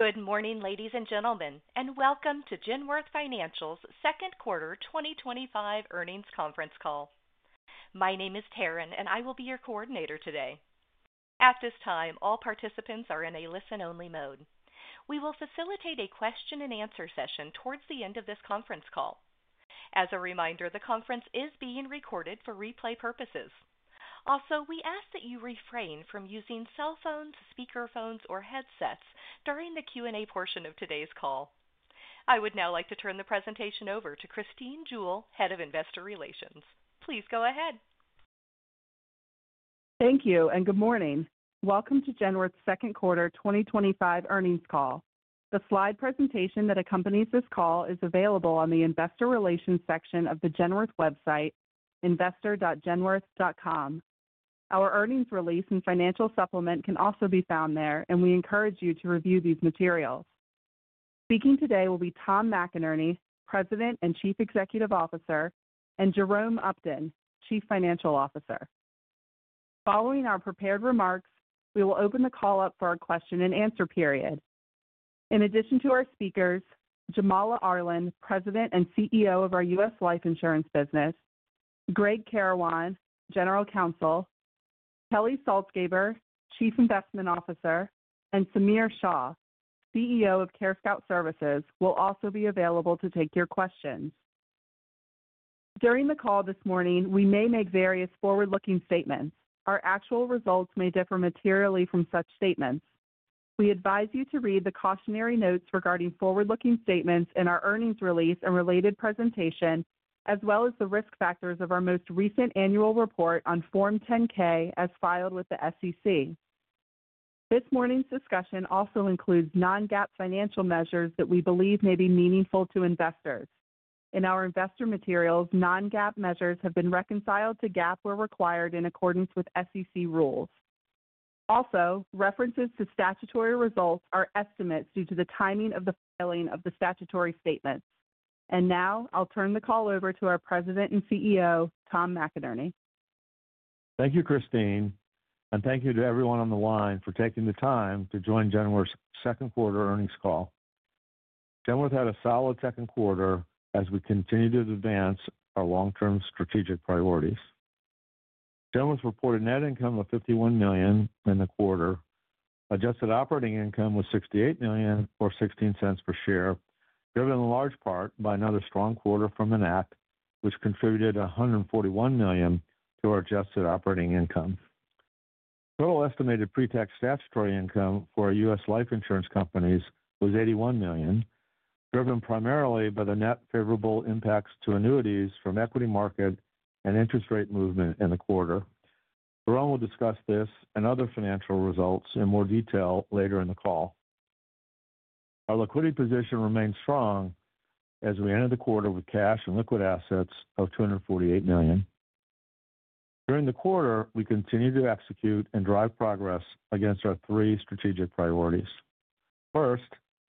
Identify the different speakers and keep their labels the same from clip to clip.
Speaker 1: Good morning, ladies and gentlemen, and welcome to Genworth Financial's Second Quarter 2025 earnings conference call. My name is Terren, and I will be your coordinator today. At this time, all participants are in a listen-only mode. We will facilitate a question-and-answer session towards the end of this conference call. As a reminder, the conference is being recorded for replay purposes. Also, we ask that you refrain from using cell phones, speaker phones, or headsets during the Q&A portion of today's call. I would now like to turn the presentation over to Christine Jewell, Head of Investor Relations. Please go ahead.
Speaker 2: Thank you, and good morning. Welcome to Genworth's Second Quarter 2025 earnings call. The slide presentation that accompanies this call is available on the Investor Relations section of the Genworth website, investor.genworth.com. Our earnings release and financial supplement can also be found there, and we encourage you to review these materials. Speaking today will be Tom McInerney, President and Chief Executive Officer, and Jerome Upton, Chief Financial Officer. Following our prepared remarks, we will open the call up for our question-and-answer period. In addition to our speakers, Jamala Arland, President and CEO of our U.S. Life Insurance business, Gregg Karawan, General Counsel, Kelly Saltzgeber, Chief Investment Officer, and Samir Shah, CEO of CareScout Services, will also be available to take your questions. During the call this morning, we may make various forward-looking statements. Our actual results may differ materially from such statements. We advise you to read the cautionary notes regarding forward-looking statements in our earnings release and related presentation, as well as the risk factors of our most recent annual report on Form 10-K as filed with the SEC. This morning's discussion also includes non-GAAP financial measures that we believe may be meaningful to investors. In our investor materials, non-GAAP measures have been reconciled to GAAP where required in accordance with SEC rules. Also, references to statutory results are estimates due to the timing of the filing of the statutory statements. Now, I'll turn the call over to our President and CEO, Tom McInerney.
Speaker 3: Thank you, Christine, and thank you to everyone on the line for taking the time to join Genworth's Second Quarter earnings call. Genworth had a solid second quarter as we continued to advance our long-term strategic priorities. Genworth reported net income of $51 million in the quarter, adjusted operating income was $68 million or $0.16 per share, driven in large part by another strong quarter from Enact, which contributed $141 million to our adjusted operating income. Total estimated pre-tax statutory income for our U.S. Life Insurance companies was $81 million, driven primarily by the net favorable impacts to annuities from equity market and interest rate movement in the quarter. Jerome will discuss this and other financial results in more detail later in the call. Our liquidity position remains strong as we enter the quarter with cash and liquid assets of $248 million. During the quarter, we continue to execute and drive progress against our three strategic priorities. First,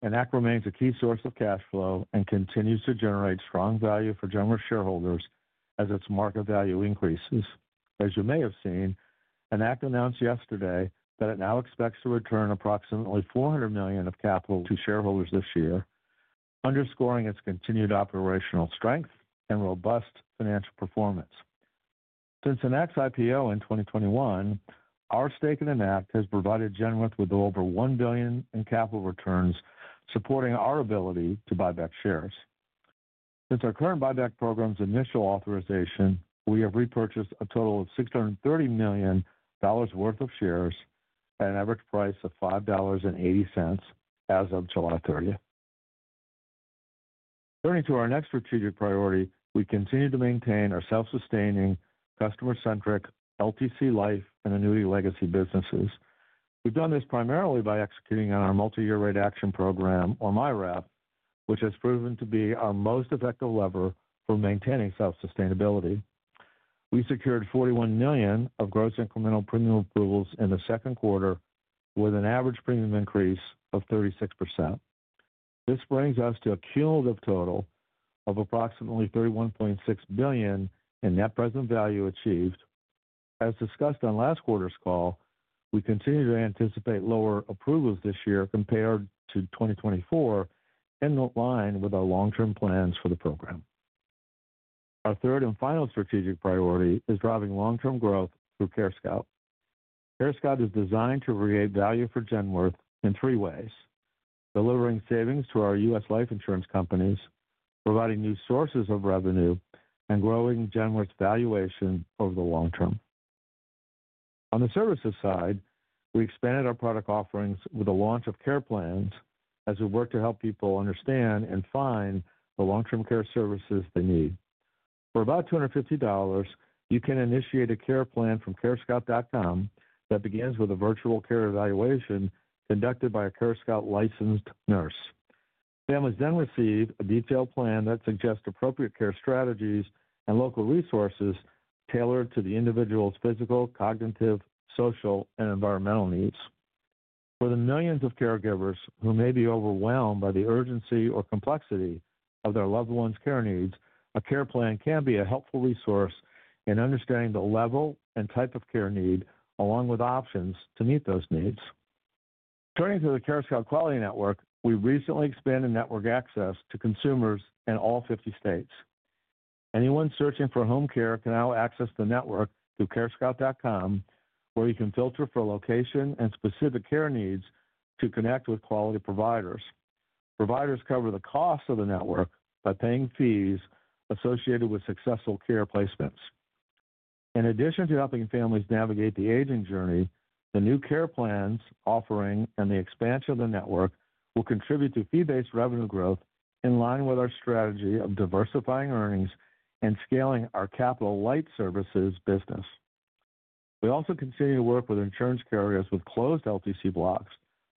Speaker 3: Enact Holdings remains a key source of cash flow and continues to generate strong value for Genworth shareholders as its market value increases. As you may have seen, Enact announced yesterday that it now expects to return approximately $400 million of capital to shareholders this year, underscoring its continued operational strength and robust financial performance. Since Enact IPO in 2021, our stake in Enact has provided Genworth with over $1 billion in capital returns, supporting our ability to buy back shares. Since our current buyback program's initial authorization, we have repurchased a total of $630 million worth of shares at an average price of $5.80 as of July 30. Turning to our next strategic priority, we continue to maintain our self-sustaining, customer-centric LTC life and annuity legacy businesses. We've done this primarily by executing on our multi-year rate action program, or MYRAP, which has proven to be our most effective lever for maintaining self-sustainability. We secured $41 million of gross incremental premium approvals in the second quarter, with an average premium increase of 36%. This brings us to a cumulative total of approximately $31.6 billion in net present value achieved. As discussed on last quarter's call, we continue to anticipate lower approvals this year compared to 2024 and align with our long-term plans for the program. Our third and final strategic priority is driving long-term growth through CareScout. CareScout is designed to create value for Genworth in three ways: delivering savings to our U.S. Life Insurance companies, providing new sources of revenue, and growing Genworth's valuation over the long-term. On the services side, we expanded our product offerings with the launch of care plans as we work to help people understand and find the long-term care services they need. For about $250, you can initiate a care plan from carescout.com that begins with a virtual care evaluation conducted by a CareScout licensed nurse. Families then receive a detailed plan that suggests appropriate care strategies and local resources tailored to the individual's physical, cognitive, social, and environmental needs. For the millions of caregivers who may be overwhelmed by the urgency or complexity of their loved one's care needs, a care plan can be a helpful resource in understanding the level and type of care need, along with options to meet those needs. Returning to the CareScout Quality Network, we recently expanded network access to consumers in all 50 States. Anyone searching for home care can now access the network through carescout.com, where you can filter for location and specific care needs to connect with quality providers. Providers cover the costs of the network by paying fees associated with successful care placements. In addition to helping families navigate the aging journey, the new care plans offering and the expansion of the network will contribute to fee-based revenue growth in line with our strategy of diversifying earnings and scaling our capital light services business. We also continue to work with insurance carriers with closed LTC blocks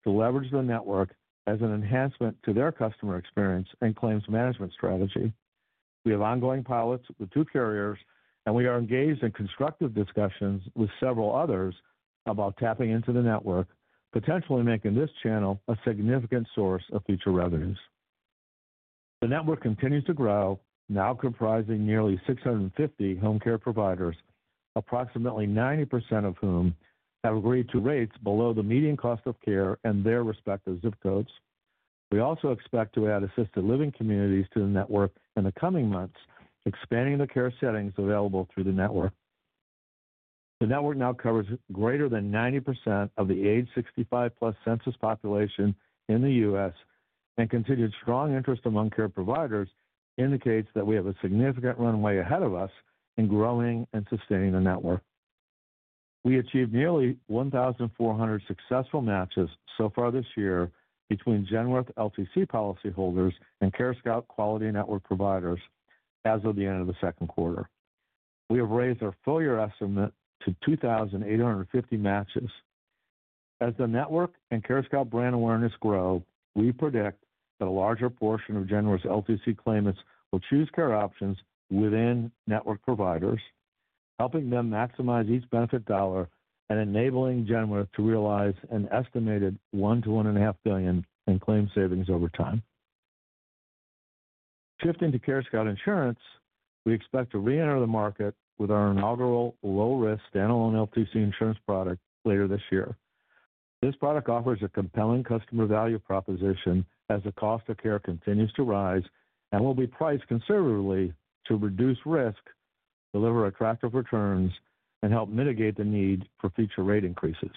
Speaker 3: to leverage the network as an enhancement to their customer experience and claims management strategy. We have ongoing pilots with two carriers, and we are engaged in constructive discussions with several others about tapping into the network, potentially making this channel a significant source of future revenues. The network continues to grow, now comprising nearly 650 home care providers, approximately 90% of whom have agreed to rates below the median cost of care in their respective zip codes. We also expect to add assisted living communities to the network in the coming months, expanding the care settings available through the network. The network now covers greater than 90% of the age 65+ census population in the U.S., and continued strong interest among care providers indicates that we have a significant runway ahead of us in growing and sustaining the network. We achieved nearly 1,400 successful matches so far this year between Genworth LTC policyholders and CareScout Quality Network providers as of the end of the second quarter. We have raised our full-year estimate to 2,850 matches. As the network and CareScout brand awareness grow, we predict that a larger portion of Genworth's LTC claimants will choose care options within network providers, helping them maximize each benefit dollar and enabling Genworth to realize an estimated $1 to $1.5 billion in claim savings over time. Shifting to CareScout Insurance, we expect to reenter the market with our inaugural low-risk standalone LTC insurance product later this year. This product offers a compelling customer value proposition as the cost of care continues to rise and will be priced conservatively to reduce risk, deliver attractive returns, and help mitigate the need for future rate increases.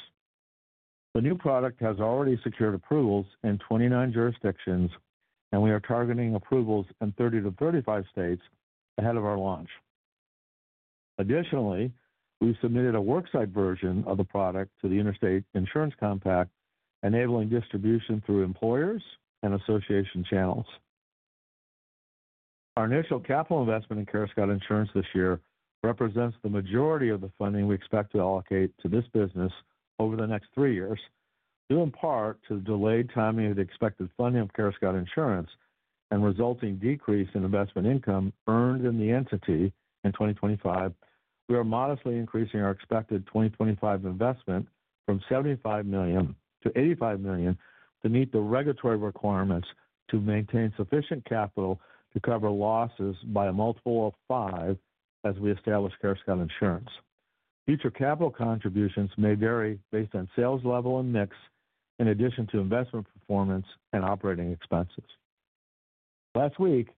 Speaker 3: The new product has already secured approvals in 29 jurisdictions, and we are targeting approvals in 30 to 35 States ahead of our launch. Additionally, we submitted a worksite version of the product to the Interstate Insurance Compact, enabling distribution through employers and association channels. Our initial capital investment in CareScout Insurance this year represents the majority of the funding we expect to allocate to this business over the next three years. Due in part to the delayed timing of the expected funding of CareScout Insurance and the resulting de crease in investment income earned in the entity in 2025, we are modestly increasing our expected 2025 investment from$75 million to $85 million to meet the regulatory requirements to maintain sufficient capital to cover losses by a multiple of five as we establish CareScout Insurance. Future capital contributions may vary based on sales level and mix, in addition to investment performance and operating expenses. Last week,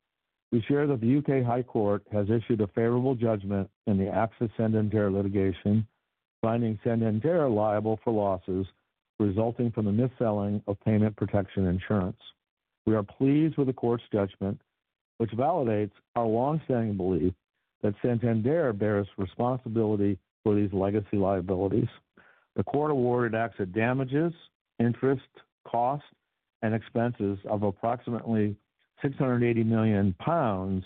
Speaker 3: we shared that the U.K. High Court has issued a favorable judgment in the AXA Santander litigation, finding Santander liable for losses resulting from the mis-selling of payment protection insurance. We are pleased with the court's judgment, which validates our longstanding belief that Santander bears responsibility for these legacy liabilities. The court awarded AXA damages, interest, cost, and expenses of approximately 680 million pounds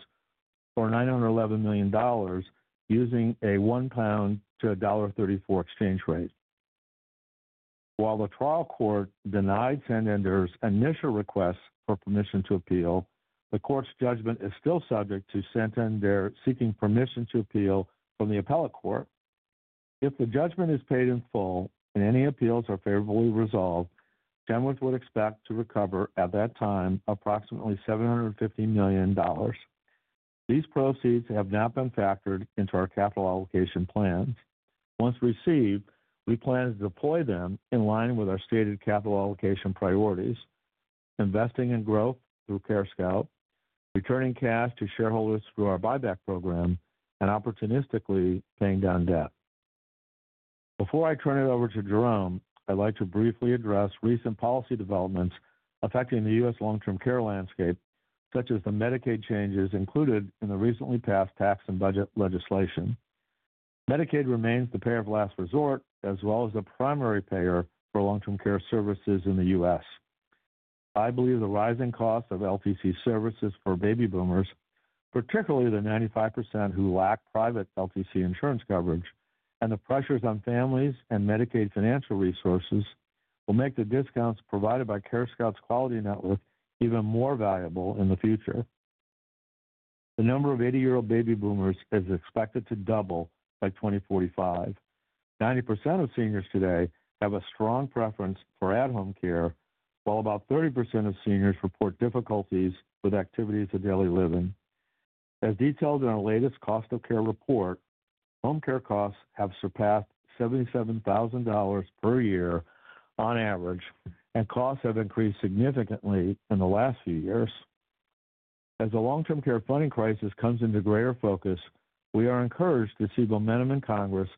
Speaker 3: or $911 million, using a 1 pound to $1.34 exchange rate. While the trial court denied Santander's initial request for permission to appeal, the court's judgment is still subject to Santander seeking permission to appeal from the appellate court. If the judgment is paid in full and any appeals are favorably resolved, Genworth would expect to recover at that time approximately $750 million. These proceeds have not been factored into our capital allocation plans. Once received, we plan to deploy them in line with our stated capital allocation priorities, investing in growth through CareScout, returning cash to shareholders through our buyback program, and opportunistically paying down debt. Before I turn it over to Jerome, I'd like to briefly address recent policy developments affecting the U.S. long-term care landscape, such as the Medicaid changes included in the recently passed tax and budget legislation. Medicaid remains the payer of last resort, as well as the primary payer for long-term care services in the U.S. I believe the rising cost of LTC services for baby boomers, particularly the 95% who lack private LTC insurance coverage, and the pressures on families and Medicaid financial resources will make the discounts provided by CareScout Quality Network even more valuable in the future. The number of 80-year-old baby boomers is expected to double by 2045. 90% of seniors today have a strong preference for at-home care, while about 30% of seniors report difficulties with activities of daily living. As detailed in our latest cost of care report, home care costs have surpassed $77,000 per year on average, and costs have increased significantly in the last few years. As the long-term care funding crisis comes into greater focus, we are encouraged to see momentum in Congress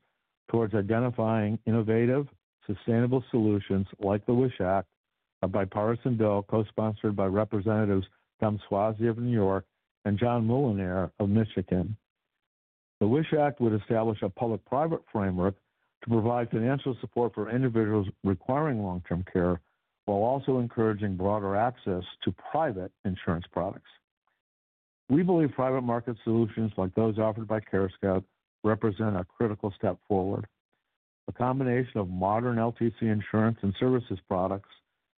Speaker 3: towards identifying innovative, sustainable solutions like the WISH Act, a bipartisan bill co-sponsored by Representatives Tom Suozzi of New York and John Mulliner of Michigan. The WISH Act would establish a public-private framework to provide financial support for individuals requiring long-term care, while also encouraging broader access to private insurance products. We believe private market solutions like those offered by CareScout represent a critical step forward. A combination of modern LTC insurance and services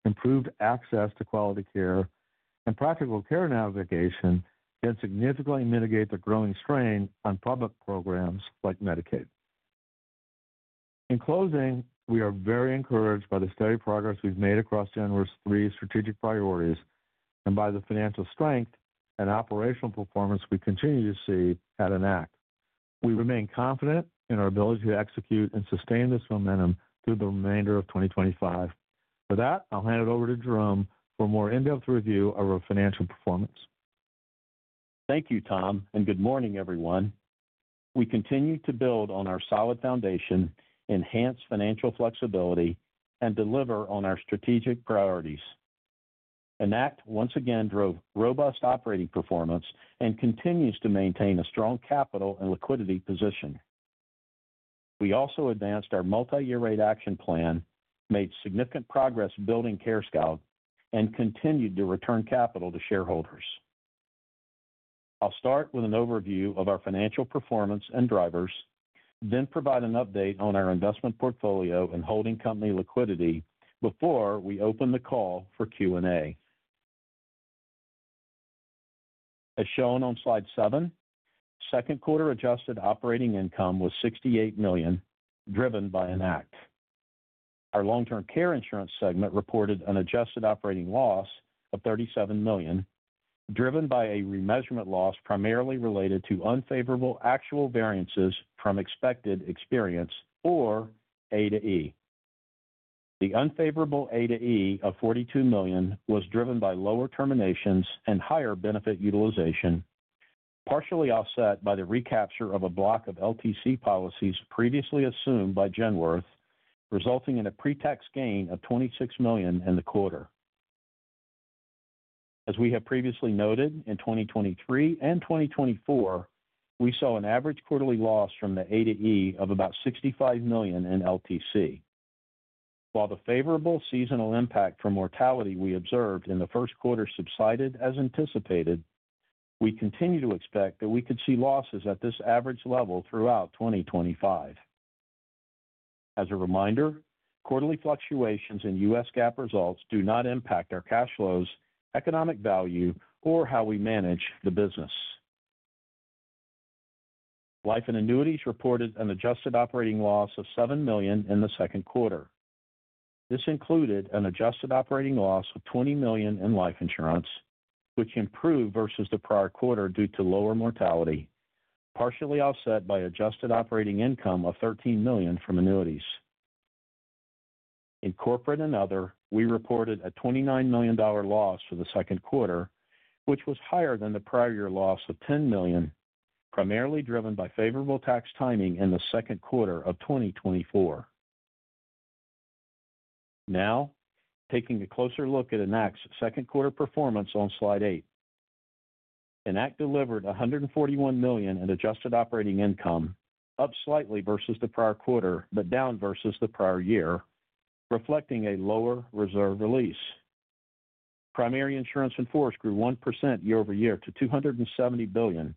Speaker 3: products, improved access to quality care, and practical care navigation can significantly mitigate the growing strain on public programs like Medicaid. In closing, we are very encouraged by the steady progress we've made across Genworth's three strategic priorities and by the financial strength and operational performance we continue to see at Enact. We remain confident in our ability to execute and sustain this momentum through the remainder of 2025. With that, I'll hand it over to Jerome for a more in-depth review of our financial performance.
Speaker 4: Thank you, Tom, and good morning, everyone. We continue to build on our solid foundation, enhance financial flexibility, and deliver on our strategic priorities. Enact once again drove robust operating performance and continues to maintain a strong capital and liquidity position. We also advanced our multi-year rate action plan, made significant progress building CareScout, and continued to return capital to shareholders. I'll start with an overview of our financial performance and drivers, then provide an update on our investment portfolio and holding company liquidity before we open the call for Q&A. As shown on slide seven, second quarter adjusted operating income was $68 million, driven by Enact. Our long-term care insurance segment reported an adjusted operating loss of $37 million, driven by a remeasurement loss primarily related to unfavorable actual variances from expected experience or A to E. The unfavorable A to E of $42 million was driven by lower terminations and higher benefit utilization, partially offset by the recapture of a block of LTC policies previously assumed by Genworth, resulting in a pre-tax gain of $26 million in the quarter. As we have previously noted, in 2023 and 2024, we saw an average quarterly loss from the A to E of about $65 million in LTC. While the favorable seasonal impact from mortality we observed in the first quarter subsided as anticipated, we continue to expect that we could see losses at this average level throughout 2025. As a reminder, quarterly fluctuations in U.S. GAAP results do not impact our cash flows, economic value, or how we manage the business. Life and annuities reported an adjusted operating loss of $7 million in the second quarter. This included an adjusted operating loss of $20 million in life insurance, which improved versus the prior quarter due to lower mortality, partially offset by an adjusted operating income of $13 million from annuities. In corporate and other, we reported a $29 million loss for the second quarter, which was higher than the prior year loss of $10 million, primarily driven by favorable tax timing in the second quarter of 2024. Now, taking a closer look at Enact's second quarter performance on slide eight, Enact delivered $141 million in adjusted operating income, up slightly versus the prior quarter but down versus the prior year, reflecting a lower reserve release. Primary insurance in force grew 1% year-over-year to $270 billion,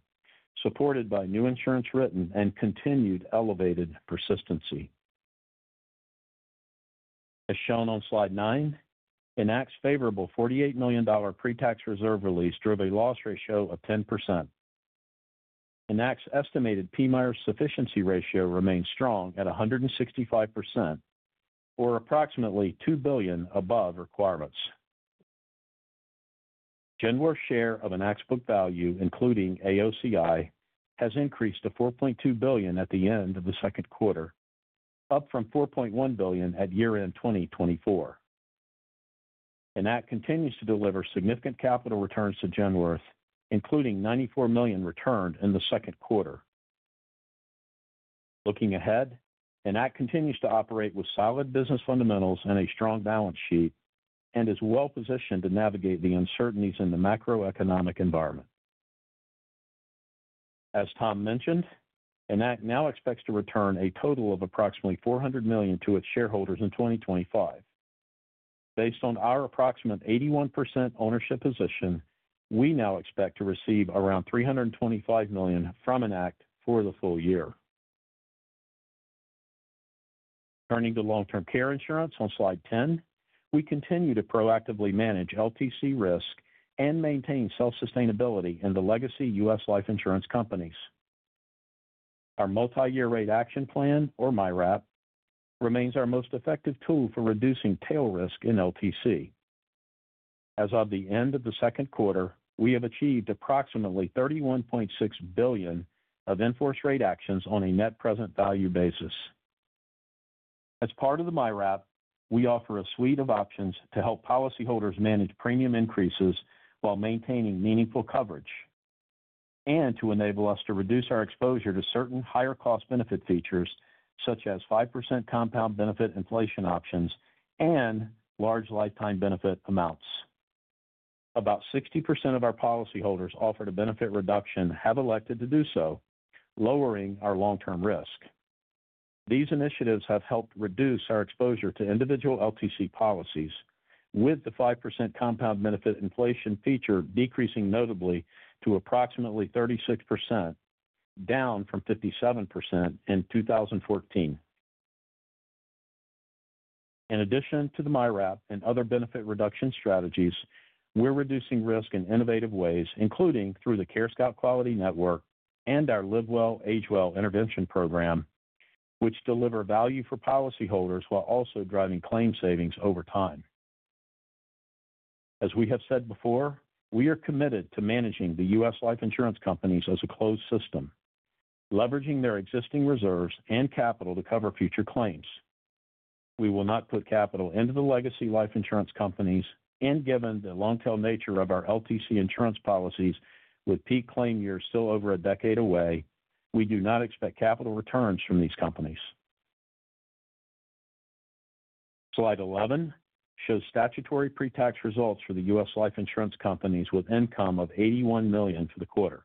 Speaker 4: supported by new insurance written and continued elevated persistency. As shown on slide nine, Enact's favorable $48 million pre-tax reserve release drove a loss ratio of 10%. Enact's estimated PMI sufficiency ratio remains strong at 165%, or approximately $2 billion above requirements. Genworth's share of Enact's book value, including AOCI, has increased to $4.2 billion at the end of the second quarter, up from $4.1 billion at year-end 2024. Enact continues to deliver significant capital returns to Genworth, including $94 million returned in the second quarter. Looking ahead, Enact continues to operate with solid business fundamentals and a strong balance sheet and is well-positioned to navigate the uncertainties in the macroeconomic environment. As Tom mentioned, Enact now expects to return a total of approximately $400 million to its shareholders in 2025. Based on our approximate 81% ownership position, we now expect to receive around $325 million from Enact for the full year. Turning to long-term care insurance on slide 10, we continue to proactively manage LTC risk and maintain self-sustainability in the legacy U.S. life insurance companies. Our multi-year rate action plan, or MYRAP, remains our most effective tool for reducing tail risk in LTC. As of the end of the second quarter, we have achieved approximately $31.6 billion of in-force rate actions on a net present value basis. As part of the MYRAP, we offer a suite of options to help policyholders manage premium increases while maintaining meaningful coverage and to enable us to reduce our exposure to certain higher cost-benefit features, such as 5% compound benefit inflation options and large lifetime benefit amounts. About 60% of our policyholders offered a benefit reduction have elected to do so, lowering our long-term risk. These initiatives have helped reduce our exposure to individual LTC policies, with the 5% compound benefit inflation feature decreasing notably to approximately 36%, down from 57% in 2014. In addition to the MYRAP and other benefit reduction strategies, we're reducing risk in innovative ways, including through the CareScout Quality Network and our Live Well, Age Well intervention program, which deliver value for policyholders while also driving claim savings over time. As we have said before, we are committed to managing the U.S. Life Insurance companies as a closed system, leveraging their existing reserves and capital to cover future claims. We will not put capital into the legacy life insurance companies, and given the long-tail nature of our LTC insurance policies with peak claim years still over a decade away, we do not expect capital returns from these companies. Slide 11 shows statutory pre-tax results for the U.S. Life Insurance companies with income of $81 million for the quarter.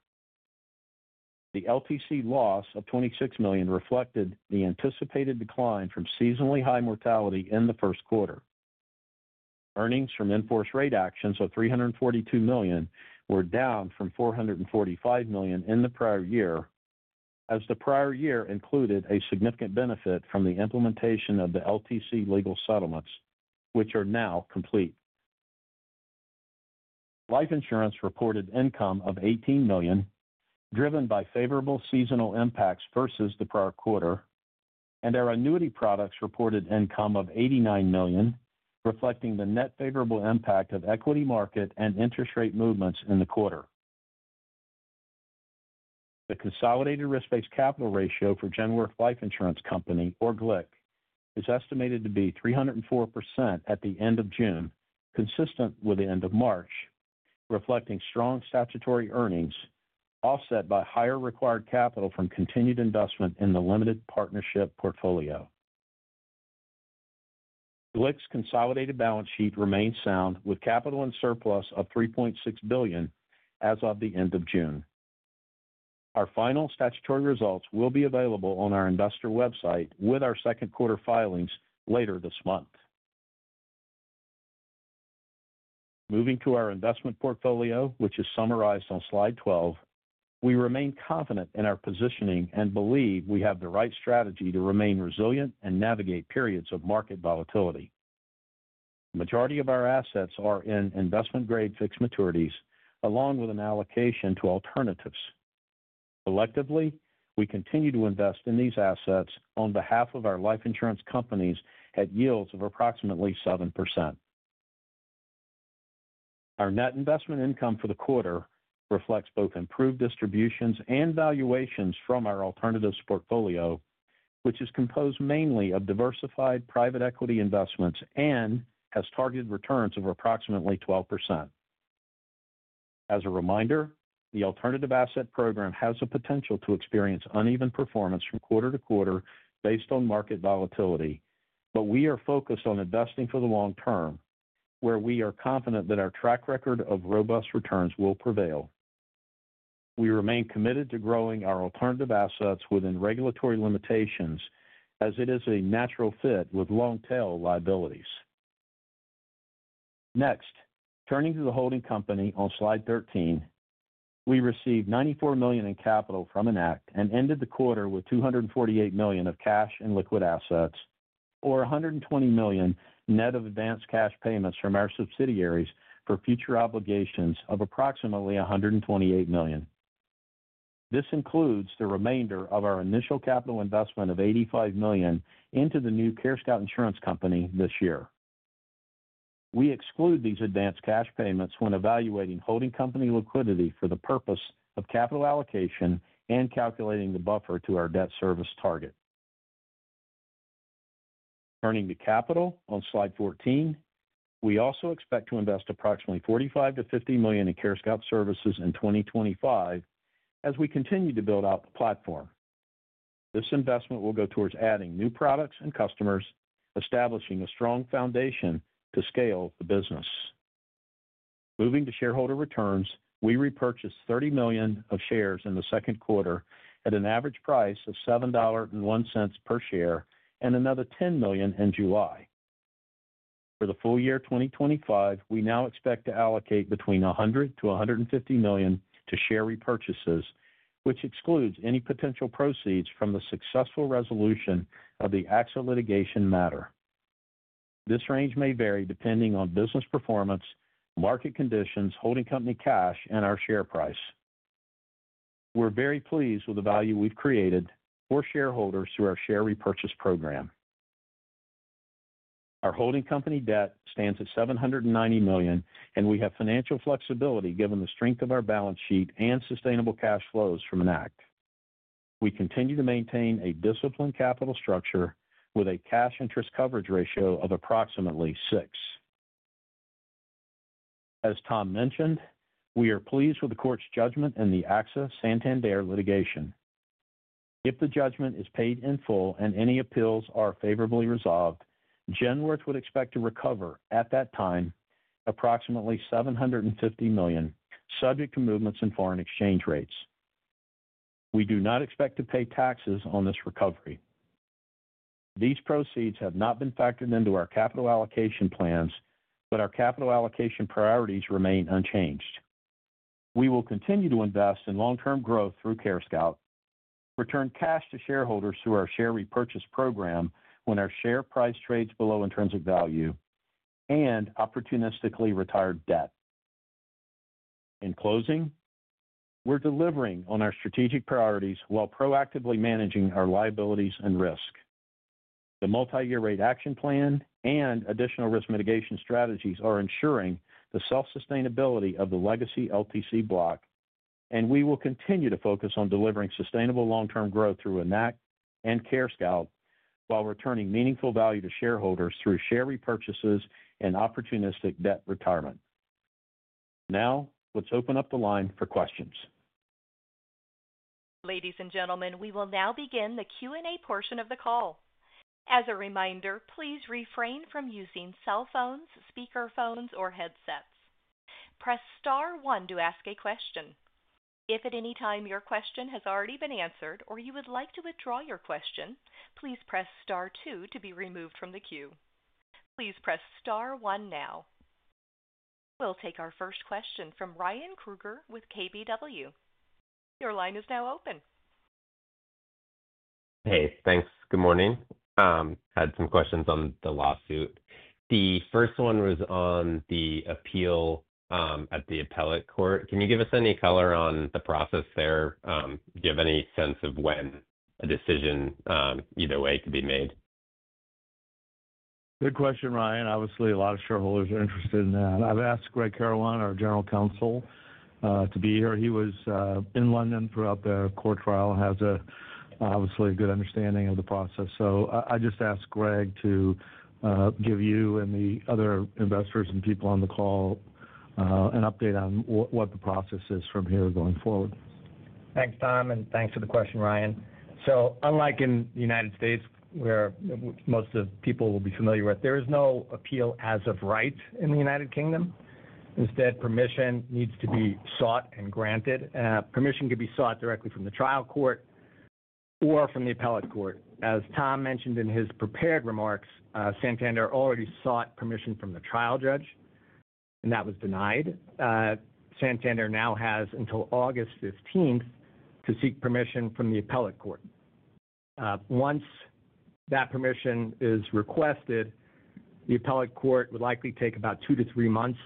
Speaker 4: The LTC loss of $26 million reflected the anticipated decline from seasonally high mortality in the first quarter. Earnings from enforced rate actions of $342 million were down from $445 million in the prior year, as the prior year included a significant benefit from the implementation of the LTC legal settlements, which are now complete. Life Insurance reported income of $18 million, driven by favorable seasonal impacts versus the prior quarter, and our Annuities products reported income of $89 million, reflecting the net favorable impact of equity market and interest rate movements in the quarter. The consolidated risk-based capital ratio for Genworth Life Insurance Company, or GLIC, is estimated to be 304% at the end of June, consistent with the end of March, reflecting strong statutory earnings offset by higher required capital from continued investment in the limited partnership portfolio. GLIC's consolidated balance sheet remains sound, with capital in surplus of $3.6 billion as of the end of June. Our final statutory results will be available on our investor website with our second quarter filings later this month. Moving to our investment portfolio, which is summarized on slide 12, we remain confident in our positioning and believe we have the right strategy to remain resilient and navigate periods of market volatility. The majority of our assets are in investment-grade fixed maturities, along with an allocation to alternatives. Selectively, we continue to invest in these assets on behalf of our life insurance companies at yields of approximately 7%. Our net investment income for the quarter reflects both improved distributions and valuations from our alternatives portfolio, which is composed mainly of diversified private equity investments and has targeted returns of approximately 12%. As a reminder, the alternative asset program has the potential to experience uneven performance from quarter to quarter based on market volatility, but we are focused on investing for the long-term, where we are confident that our track record of robust returns will prevail. We remain committed to growing our alternative assets within regulatory limitations, as it is a natural fit with long-tail liabilities. Next, turning to the holding company on slide 13, we received $94 million in capital from Enact and ended the quarter with $248 million of cash and liquid assets, or $120 million net of advanced cash payments from our subsidiaries for future obligations of approximately $128 million. This includes the remainder of our initial capital investment of $85 million into the new CareScout Insurance Company this year. We exclude these advanced cash payments when evaluating holding company liquidity for the purpose of capital allocation and calculating the buffer to our debt service target. Turning to capital on slide 14, we also expect to invest approximately $45 million-$50 million in CareScout Services in 2025 as we continue to build out the platform. This investment will go towards adding new products and customers, establishing a strong foundation to scale the business. Moving to shareholder returns, we repurchased $30 million of shares in the second quarter at an average price of $7.01 per share and another $10 million in July. For the full year 2025, we now expect to allocate between $100 million-$150 million to share repurchases, which excludes any potential proceeds from the successful resolution of the AXA litigation matter. This range may vary depending on business performance, market conditions, holding company cash, and our share price. We're very pleased with the value we've created for shareholders through our share repurchase program. Our holding company debt stands at $790 million, and we have financial flexibility given the strength of our balance sheet and sustainable cash flows from Enact. We continue to maintain a disciplined capital structure with a cash interest coverage ratio of approximately 6. As Tom mentioned, we are pleased with the court's judgment in the AXA Santander litigation. If the judgment is paid in full and any appeals are favorably resolved, Genworth would expect to recover at that time approximately $750 million, subject to movements in foreign exchange rates. We do not expect to pay taxes on this recovery. These proceeds have not been factored into our capital allocation plans, but our capital allocation priorities remain unchanged. We will continue to invest in long-term growth through CareScout, return cash to shareholders through our share repurchase program when our share price trades below intrinsic value, and opportunistically retire debt. In closing, we're delivering on our strategic priorities while proactively managing our liabilities and risk. The multi-year rate action plan and additional risk mitigation strategies are ensuring the self-sustainability of the legacy LTC block, and we will continue to focus on delivering sustainable long-term growth through Enact and CareScout while returning meaningful value to shareholders through share repurchases and opportunistic debt retirement. Now, let's open up the line for questions.
Speaker 1: Ladies and gentlemen, we will now begin the Q&A portion of the call. As a reminder, please refrain from using cell phones, speaker phones, or headsets. Press star one to ask a question. If at any time your question has already been answered or you would like to withdraw your question, please press star two to be removed from the queue. Please press star one now. We'll take our first question from Ryan Krueger with KBW. Your line is now open.
Speaker 5: Hey, thanks. Good morning. I had some questions on the lawsuit. The first one was on the appeal at the appellate court. Can you give us any color on the process there? Do you have any sense of when a decision either way could be made?
Speaker 3: Good question, Ryan. Obviously, a lot of shareholders are interested in that. I've asked Gregg Karawan, our General Counsel, to be here. He was in London throughout the court trial and has obviously a good understanding of the process. I just asked Gregg to give you and the other investors and people on the call an update on what the process is from here going forward.
Speaker 6: Thanks, Tom, and thanks for the question, Ryan. Unlike in the United States, where most of the people will be familiar with, there is no appeal as of right in the U.K. Instead, permission needs to be sought and granted. Permission could be sought directly from the trial court or from the appellate court. As Tom mentioned in his prepared remarks, Santander already sought permission from the trial judge, and that was denied. Santander now has until August 15 to seek permission from the appellate court. Once that permission is requested, the appellate court would likely take about two to three months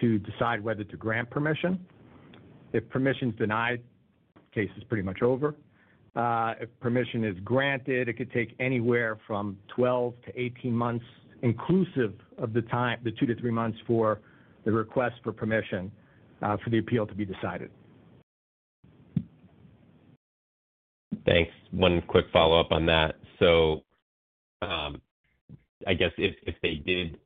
Speaker 6: to decide whether to grant permission. If permission is denied, the case is pretty much over. If permission is granted, it could take anywhere from 12 to 18 months, inclusive of the time, the two to three months for the request for permission for the appeal to be decided.
Speaker 5: Thanks. One quick follow-up on that. I guess if they did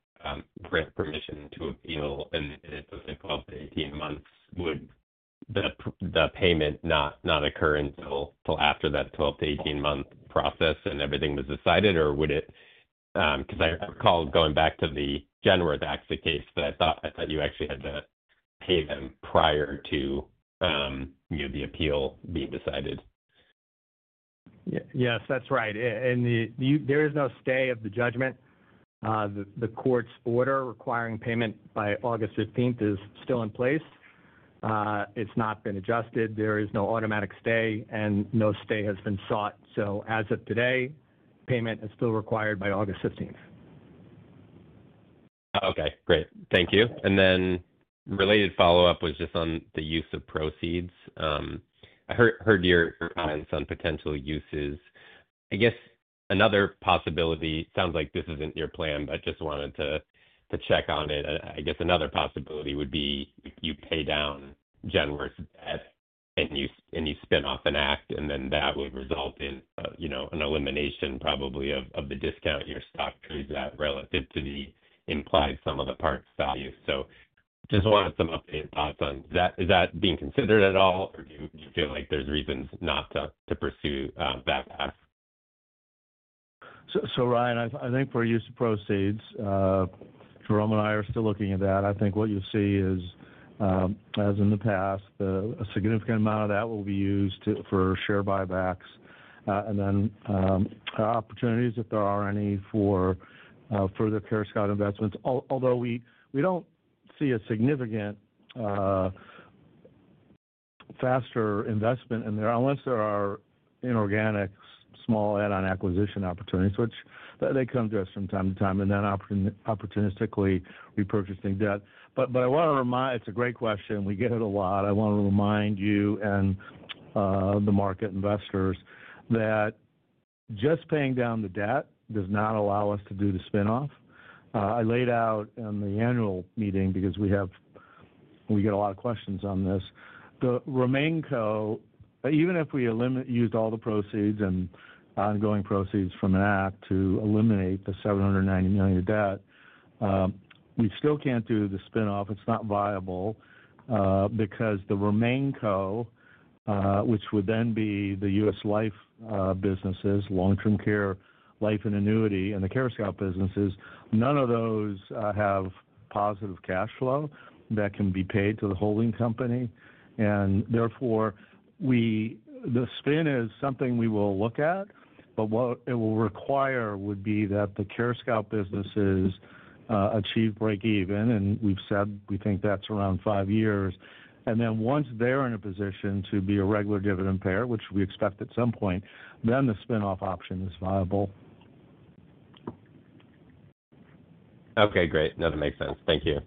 Speaker 5: grant permission to appeal and it took 12 to 18 months, would the payment not occur until after that 12, 18 month process and everything was decided, or would it? I recall going back to the Genworth AXA case, but I thought you actually had to pay them prior to the appeal being decided.
Speaker 6: Yes, that's right. There is no stay of the judgment. The court's order requiring payment by August 15th is still in place. It's not been adjusted. There is no automatic stay, and no stay has been sought. As of today, payment is still required by August 15th.
Speaker 5: Okay, great. Thank you. Related follow-up was just on the use of proceeds. I heard your comments on potential uses. I guess another possibility, it sounds like this isn't your plan, but I just wanted to check on it. I guess another possibility would be you pay down Genworth's debt and you spin off Enact, and then that would result in an elimination probably of the discount your stock trades at relative to the implied sum of the parts value. Just wanted some updated thoughts on is that being considered at all, or do you feel like there's reasons not to pursue that path?
Speaker 3: Ryan, I think for use of proceeds, Jerome and I are still looking at that. I think what you'll see is, as in the past, a significant amount of that will be used for share buybacks and then opportunities if there are any for further CareScout investments. Although we don't see a significant faster investment in there unless there are inorganic small add-on acquisition opportunities, which they come to us from time to time, and then opportunistically repurchasing debt. I want to remind, it's a great question. We get it a lot. I want to remind you and the market investors that just paying down the debt does not allow us to do the spin-off. I laid out in the annual meeting because we get a lot of questions on this. The Remain Co, even if we used all the proceeds and ongoing proceeds from Enact to eliminate the $790 million of debt, we still can't do the spin-off. It's not viable because The Remain Co, which would then be the U.S. life businesses, long-term care, life and annuity, and the CareScout businesses, none of those have positive cash flow that can be paid to the holding company. Therefore, the spin is something we will look at, but what it will require would be that the CareScout businesses achieve break-even, and we've said we think that's around five years. Once they're in a position to be a regular dividend payer, which we expect at some point, then the spin-off option is viable.
Speaker 5: Okay, great. No, that makes sense. Thank you.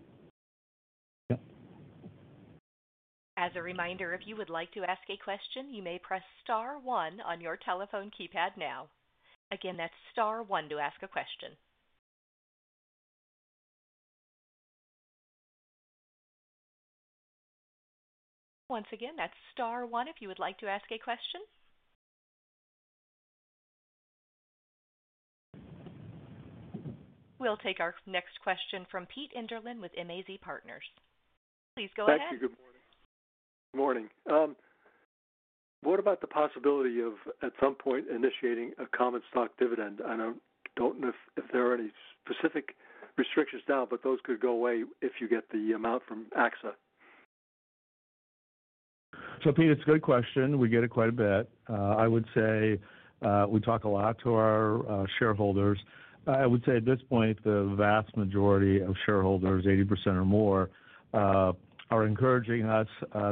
Speaker 3: Yep.
Speaker 1: As a reminder, if you would like to ask a question, you may press star one on your telephone keypad now. Again, that's star one to ask a question. Once again, that's star one if you would like to ask a question. We'll take our next question from Pete Enderlin with MAZ Partners. Please go ahead.
Speaker 7: Thank you. Good morning. What about the possibility of at some point initiating a common stock dividend? I don't know if there are any specific restrictions now, but those could go away if you get the amount from AXA.
Speaker 3: It's a good question. We get it quite a bit. I would say we talk a lot to our shareholders. I would say at this point, the vast majority of shareholders, 80% or more, are encouraging us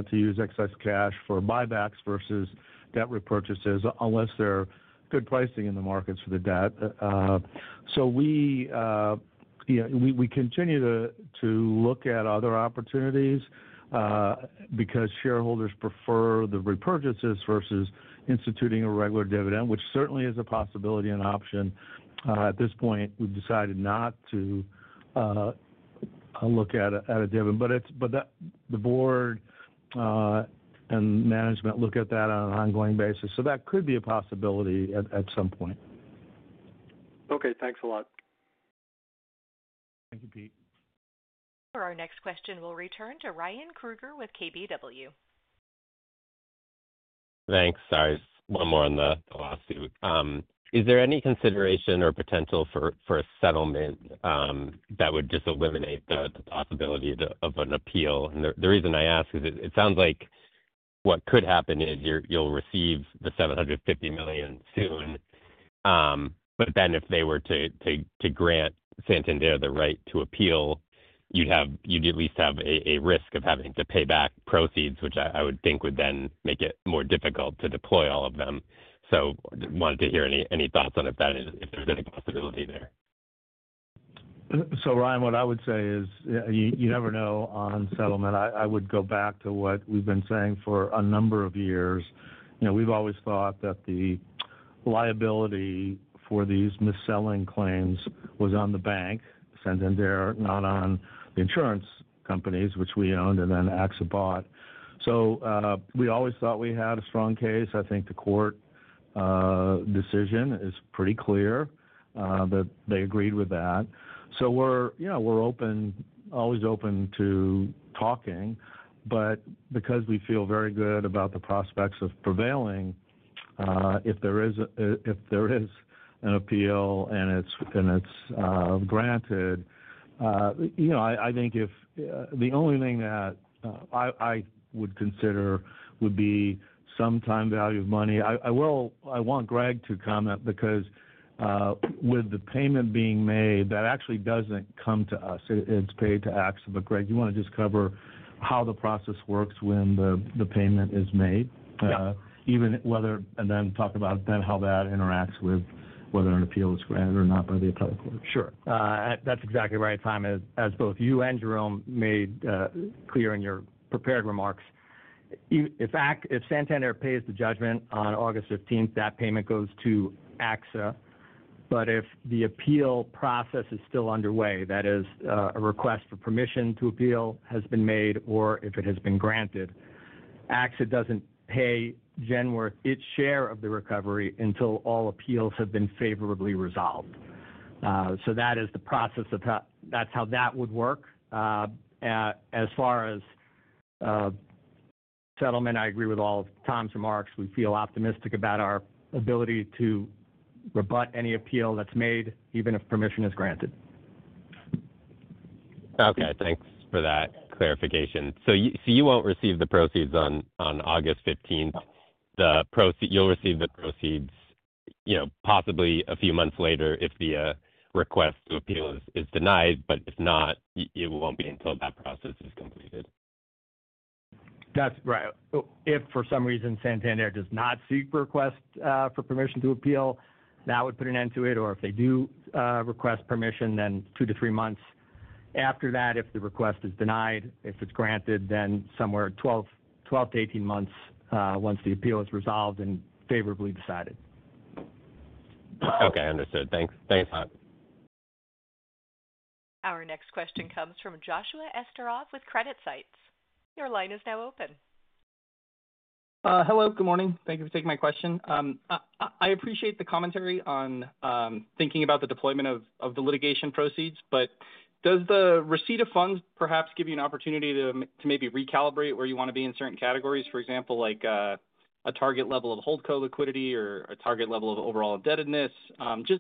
Speaker 3: to use excess cash for buybacks versus debt repurchases unless there's good pricing in the markets for the debt. We continue to look at other opportunities because shareholders prefer the repurchases versus instituting a regular dividend, which certainly is a possibility and option. At this point, we've decided not to look at a dividend, but the Board and management look at that on an ongoing basis. That could be a possibility at some point.
Speaker 7: Okay, thanks a lot.
Speaker 3: Thank you, Pete.
Speaker 1: For our next question, we'll return to Ryan Krueger with KBW.
Speaker 5: Thanks. Sorry, one more on the lawsuit. Is there any consideration or potential for a settlement that would just eliminate the possibility of an appeal? The reason I ask is it sounds like what could happen is you'll receive the $750 million soon. If they were to grant Santander the right to appeal, you'd at least have a risk of having to pay back proceeds, which I would think would then make it more difficult to deploy all of them. I wanted to hear any thoughts on if that is if there's any possibility there.
Speaker 3: Ryan, what I would say is you never know on settlement. I would go back to what we've been saying for a number of years. We've always thought that the liability for these mis-selling claims was on the bank, Santander, not on the insurance companies, which we owned and then AXA bought. We've always thought we had a strong case. I think the court decision is pretty clear that they agreed with that. We're always open to talking. Because we feel very good about the prospects of prevailing, if there is an appeal and it's granted, I think the only thing that I would consider would be some time value of money. I want Gregg to comment because with the payment being made, that actually doesn't come to us. It's paid to AXA. Gregg, you want to just cover how the process works when the payment is made, even whether, and then talk about how that interacts with whether an appeal is granted or not by the appellate court.
Speaker 6: Sure. That's exactly right, Tom, as both you and Jerome made clear in your prepared remarks. If Santander pays the judgment on August 15th, that payment goes to AXA. If the appeal process is still underway, that is, a request for permission to appeal has been made, or if it has been granted, AXA doesn't pay Genworth its share of the recovery until all appeals have been favorably resolved. That is the process of how that would work. As far as settlement, I agree with all of Tom's remarks. We feel optimistic about our ability to rebut any appeal that's made, even if permission is granted.
Speaker 5: Okay, thanks for that clarification. You won't receive the proceeds on August 15th. You'll receive the proceeds, you know, possibly a few months later if the request to appeal is denied. If not, it won't be until that process is completed.
Speaker 6: That's right. If for some reason Santander does not seek request for permission to appeal, that would put an end to it. If they do request permission, then two to three months after that, if the request is denied, if it's granted, then somewhere 12 to 18 months once the appeal is resolved and favorably decided.
Speaker 5: Okay, understood. Thanks.
Speaker 1: Our next question comes from Joshua Esterov with CreditSights. Your line is now open.
Speaker 8: Hello, good morning. Thank you for taking my question. I appreciate the commentary on thinking about the deployment of the litigation proceeds, but does the receipt of funds perhaps give you an opportunity to maybe recalibrate where you want to be in certain categories? For example, like a target level of hold co-liquidity or a target level of overall indebtedness?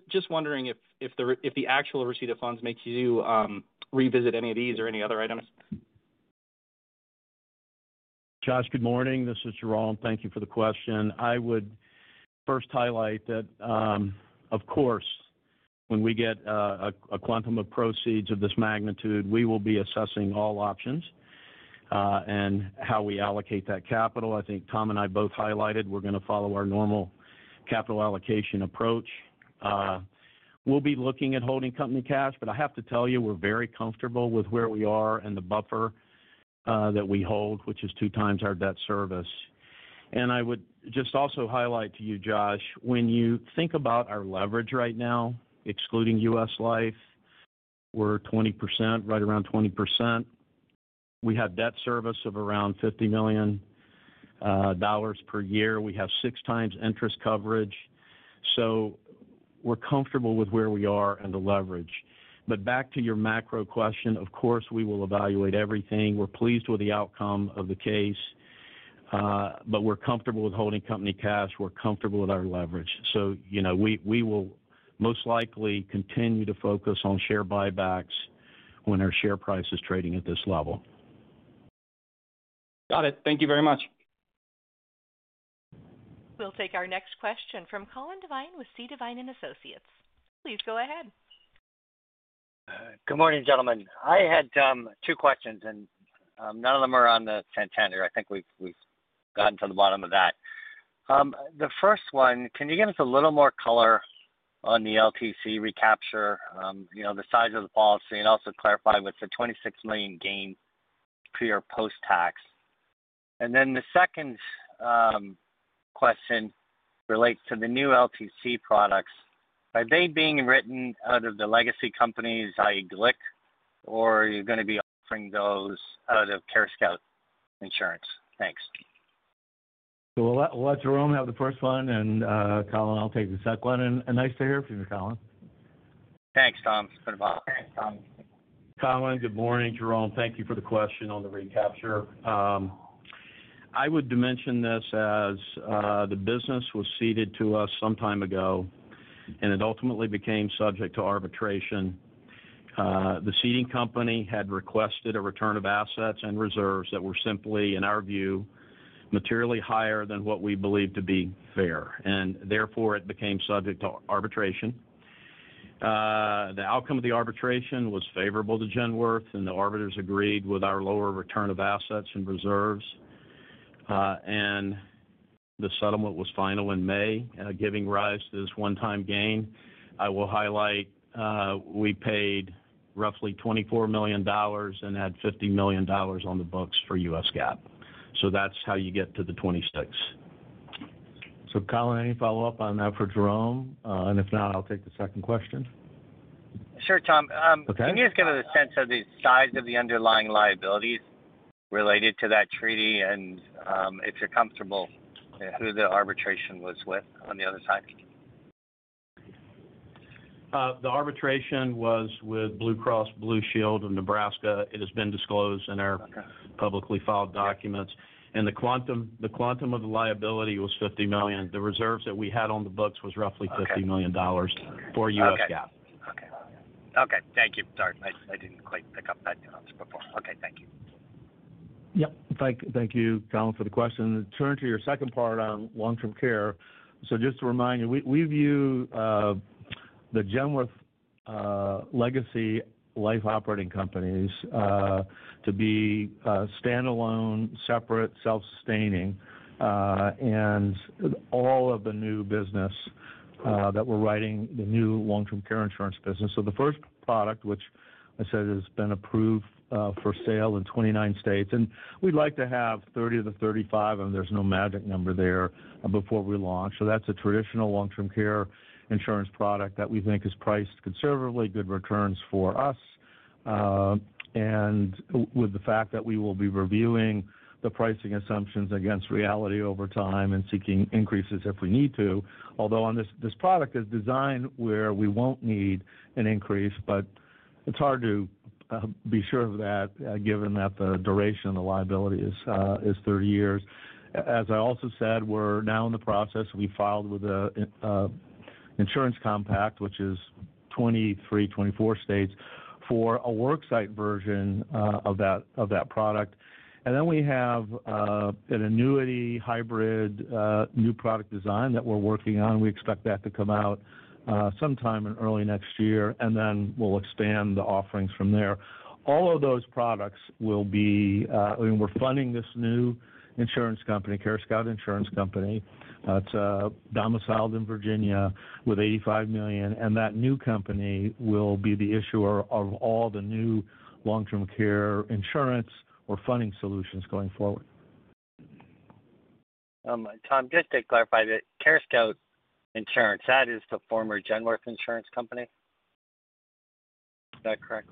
Speaker 8: Just wondering if the actual receipt of funds makes you revisit any of these or any other items.
Speaker 4: Josh, good morning. This is Jerome. Thank you for the question. I would first highlight that, of course, when we get a quantum of proceeds of this magnitude, we will be assessing all options and how we allocate that capital. I think Tom and I both highlighted we're going to follow our normal capital allocation approach. We'll be looking at holding company cash, but I have to tell you, we're very comfortable with where we are and the buffer that we hold, which is two times our debt service. I would just also highlight to you, Josh, when you think about our leverage right now, excluding U.S. Life, we're 20%, right around 20%. We have debt service of around $50 million per year. We have six times interest coverage. We're comfortable with where we are and the leverage. Back to your macro question, of course, we will evaluate everything. We're pleased with the outcome of the case, and we're comfortable with holding company cash. We're comfortable with our leverage. We will most likely continue to focus on share buybacks when our share price is trading at this level.
Speaker 8: Got it. Thank you very much.
Speaker 1: We'll take our next question from Colin Devine with C. Devine & Associates. Please go ahead.
Speaker 9: Good morning, gentlemen. I had two questions, and none of them are on the Santander. I think we've gotten to the bottom of that. The first one, can you give us a little more color on the LTC recapture, the size of the policy, and also clarify what's the $26 million gain pre or post-tax? The second question relates to the new LTC products. Are they being written out of the legacy companies, i.e. GLIC, or are you going to be offering those out of CareScout Insurance? Thanks.
Speaker 3: Let Jerome have the first one, Colin, I'll take the second one. Nice to hear from you, Colin.
Speaker 9: Thanks, Tom.
Speaker 4: Colin, good morning. Jerome, thank you for the question on the recapture. I would mention this as the business was ceded to us some time ago, and it ultimately became subject to arbitration. The ceding company had requested a return of assets and reserves that were, in our view, materially higher than what we believed to be fair. It became subject to arbitration. The outcome of the arbitration was favorable to Genworth, and the arbiters agreed with our lower return of assets and reserves. The settlement was final in May, giving rise to this one-time gain. I will highlight we paid roughly $24 million and had $50 million on the books for U.S. GAAP. That's how you get to the 26.
Speaker 3: Colin, any follow-up on that for Jerome? If not, I'll take the second question.
Speaker 9: Sure, Tom. Can you just give us a sense of the size of the underlying liabilities related to that treaty, and if you're comfortable, who the arbitration was with on the other side?
Speaker 4: The arbitration was with Blue Cross Blue Shield of Nebraska. It has been disclosed in our publicly filed documents. The quantum of the liability was $50 million. The reserves that we had on the books were roughly $50 million for U.S. GAAP.
Speaker 9: Okay, thank you. Sorry, I didn't quite pick up that difference before. Okay, thank you.
Speaker 3: Thank you, Colin, for the question. To turn to your second part on long-term care. Just to remind you, we view the Genworth legacy life operating companies to be standalone, separate, self-sustaining, and all of the new business that we're writing, the new long-term care insurance business. The first product, which I said has been approved for sale in 29 States, and we'd like to have 30 of the 35, and there's no magic number there, before we launch. That's a traditional long-term care insurance product that we think is priced conservatively, good returns for us, with the fact that we will be reviewing the pricing assumptions against reality over time and seeking increases if we need to. Although this product is designed where we won't need an increase, it's hard to be sure of that given that the duration of the liability is 30 years. As I also said, we're now in the process, we filed with an Insurance Compact, which is 23, 24 States, for a worksite version of that product. We have an annuity hybrid new product design that we're working on. We expect that to come out sometime in early next year, and we'll expand the offerings from there. All of those products will be, I mean, we're funding this new insurance company, CareScout Insurance Company. It's domiciled in Virginia with $85 million, and that new company will be the issuer of all the new long-term care insurance or funding solutions going forward.
Speaker 9: Tom, just to clarify, the CareScout Insurance, that is the former Genworth Insurance Company? Is that correct?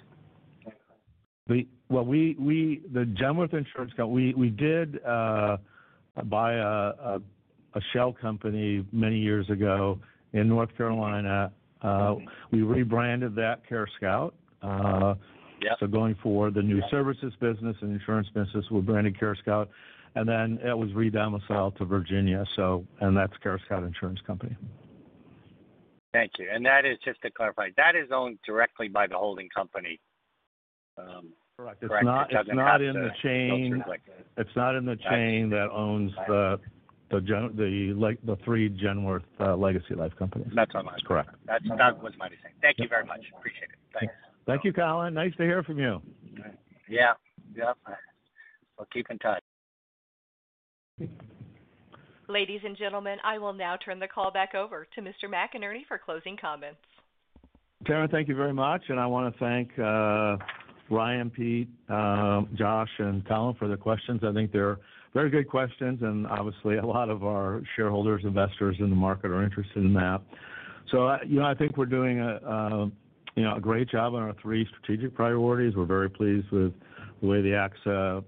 Speaker 3: The Genworth Insurance, we did buy a shell company many years ago in North Carolina. We rebranded that CareScout. Going forward, the new services business and insurance business are branded CareScout, and it was re-domiciled to Virginia. That's CareScout Insurance Company.
Speaker 9: Thank you. Just to clarify, that is owned directly by the holding company.
Speaker 3: Correct. It's not in the chain. It's not in the chain that owns the three Genworth legacy life companies.
Speaker 9: That was my understanding. Thank you very much. Appreciate it. Thanks.
Speaker 3: Thank you, Colin. Nice to hear from you.
Speaker 9: Yeah, we'll keep in touch.
Speaker 1: Ladies and gentlemen, I will now turn the call back over to Mr. McInerney for closing comments.
Speaker 3: Terren, thank you very much. I want to thank Ryan, Pete, Josh, and Colin for the questions. I think they're very good questions, and obviously, a lot of our shareholders and investors in the market are interested in that. I think we're doing a great job on our three strategic priorities. We're very pleased with the way the AXA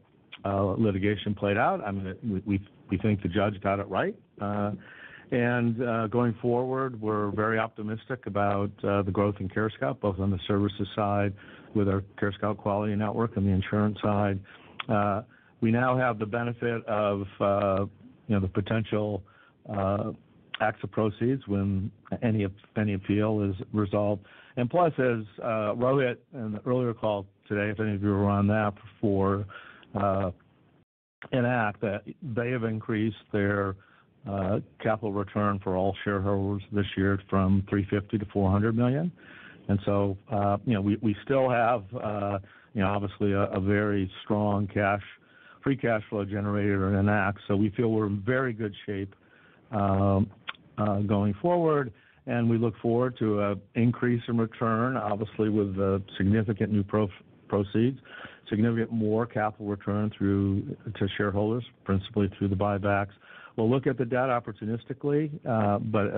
Speaker 3: litigation played out. I mean, we think the judge got it right. Going forward, we're very optimistic about the growth in CareScout, both on the services side with our CareScout Quality Network and the insurance side. We now have the benefit of the potential AXA proceeds when any appeal is resolved. Plus, as [Rohit] in the earlier call today, if any of you were on that for Enact, they have increased their capital return for all shareholders this year from $350 million to $400 million. We still have a very strong free cash flow generator in Enact. We feel we're in very good shape going forward. We look forward to an increase in return, obviously, with the significant new proceeds, significant more capital return to shareholders, principally through the buybacks. We'll look at the debt opportunistically.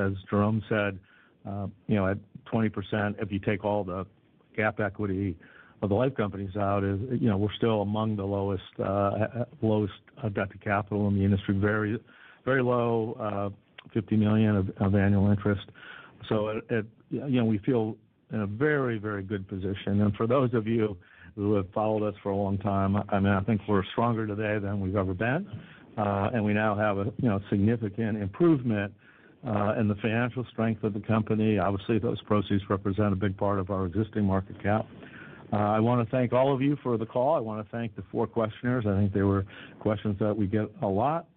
Speaker 3: As Jerome said, at 20%, if you take all the GAAP equity of the life companies out, we're still among the lowest debt to capital in the industry, very, very low, $50 million of annual interest. We feel in a very, very good position. For those of you who have followed us for a long time, I think we're stronger today than we've ever been. We now have a significant improvement in the financial strength of the company. Obviously, those proceeds represent a big part of our existing market cap. I want to thank all of you for the call. I want to thank the four questionnaires. I think they were questions that we get a lot.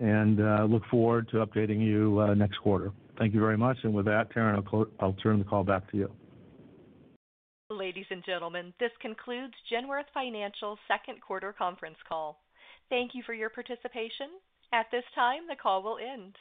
Speaker 3: I look forward to updating you next quarter. Thank you very much. With that, Terren, I'll turn the call back to you.
Speaker 1: Ladies and gentlemen, this concludes Genworth Financial's second quarter conference call. Thank you for your participation. At this time, the call will end.